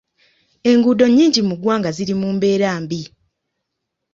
Enguudo nnyingi mu ggwanga ziri mu mbeera mbi.